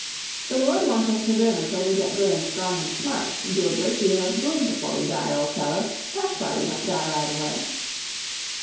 "The Lord wants us to live until we get good and strong and smart, and do a great deal of good before we die, old fellow that's why we don't die right away."